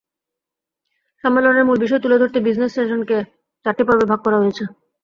সম্মেলনের মূল বিষয় তুলে ধরতে বিজনেস সেশনকে চারটি পর্বে ভাগ করা হয়েছে।